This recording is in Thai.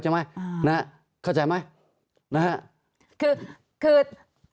ตั้งแต่เริ่มมีเรื่องแล้ว